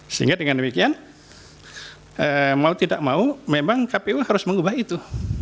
sehingga dengan demikian mau tidak mau memang kpu harus mengubah itu